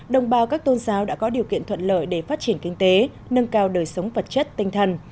đồng bào các tôn giáo đã có điều kiện thuận lợi để phát triển kinh tế nâng cao đời sống vật chất tinh thần